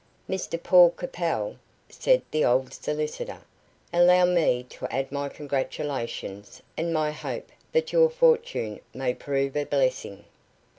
"Mr Paul Capel," said the old solicitor, "allow me to add my congratulations, and my hope that your fortune may prove a blessing."